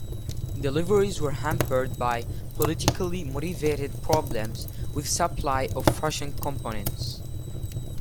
Deliveries were hampered by politically motivated problems with supply of Russian components.